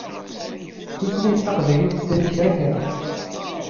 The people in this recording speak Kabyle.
Tutlayt taqbaylit tettali kra kra.